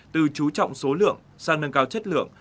từ chú trọng số lượng sang nâng cao chất lượng